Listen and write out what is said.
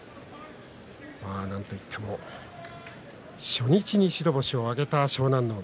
なんといっても初日に白星を挙げた湘南乃海。